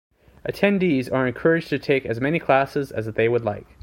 Attendees are encouraged to take as many classes as they would like.